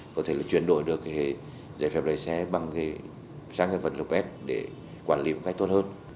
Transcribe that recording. có thể là chuyển đổi được cái giải phép lấy xe sang cái vận lục s để quản lý một cách tốt hơn